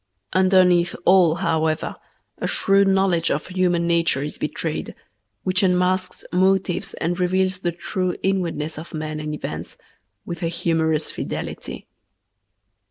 Underneath all, however, a shrewd knowledge of human nature is betrayed, which unmasks motives and reveals the true inwardness of men and events with a humorous fidelity.